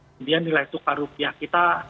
kemudian nilai tukar rupiah kita